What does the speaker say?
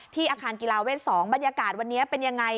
อาคารกีฬาเวท๒บรรยากาศวันนี้เป็นยังไง